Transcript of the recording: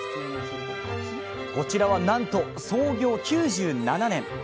こちらはなんと創業９７年。